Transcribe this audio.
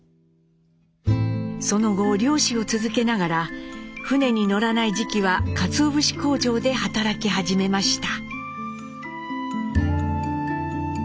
その後漁師を続けながら船に乗らない時期はかつお節工場で働き始めました。